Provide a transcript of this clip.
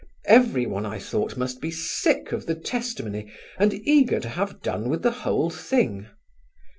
Everyone, I thought, must be sick of the testimony and eager to have done with the whole thing.